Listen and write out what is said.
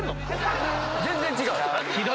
全然違う？